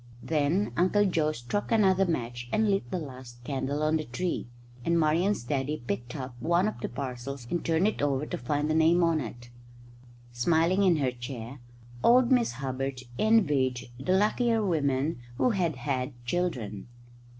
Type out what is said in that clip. Then Uncle Joe struck another match and lit the last candle on the tree, and Marian's daddy picked up one of the parcels and turned it over to find the name on it. Smiling in her chair, old Miss Hubbard envied the luckier women who had had children.